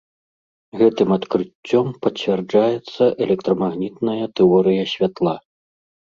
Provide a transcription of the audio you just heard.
Гэтым адкрыццём пацвярджаецца электрамагнітная тэорыя святла.